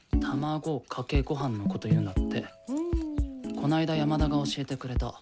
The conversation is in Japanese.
この間山田が教えてくれた。